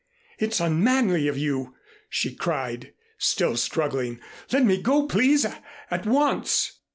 "It's unmanly of you," she cried, still struggling. "Let me go, please, at once."